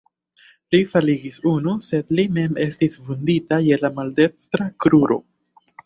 Li faligis unu, sed li mem estis vundita je la maldekstra kruro.